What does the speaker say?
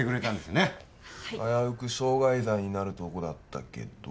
危うく傷害罪になるとこだったけど。